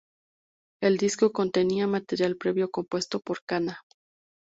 El disco contenía material previo compuesto por Kana.